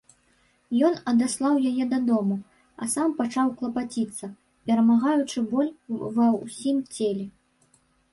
Ён адаслаў яе дадому, а сам пачаў клапаціцца, перамагаючы боль ва ўсім целе.